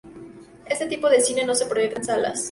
Este tipo de cine no se proyecta en salas.